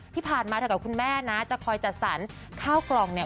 ที่ผ่านมาเธอกับคุณแม่นะจะคอยจัดสรรข้าวกล่องเนี่ย